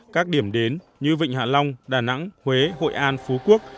các điểm đến như vịnh hạ long đà nẵng huế hội an phú quốc